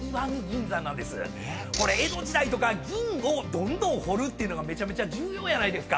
江戸時代とか銀をどんどん掘るっていうのがめちゃめちゃ重要やないですか。